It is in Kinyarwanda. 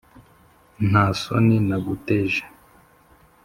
Nta soni naguteje